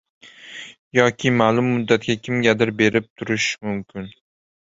yoki ma’lum muddatga kimgadir berib turish mumkin.